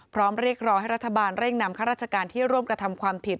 เรียกรอให้รัฐบาลเร่งนำข้าราชการที่ร่วมกระทำความผิด